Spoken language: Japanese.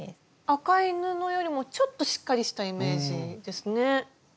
赤い布よりもちょっとしっかりしたイメージですね。